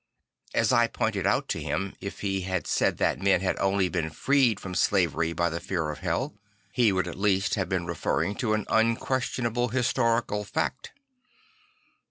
As I pointed out to him, if he had said that men had only been freed from slavery by the fear of hell, he would at least have been referring to an unquestionable historical fact.